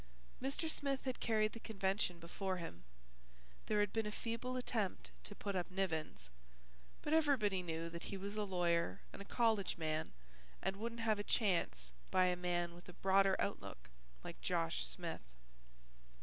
Mr. Smith had carried the Convention before him. There had been a feeble attempt to put up Nivens. But everybody knew that he was a lawyer and a college man and wouldn't have a chance by a man with a broader outlook like Josh Smith.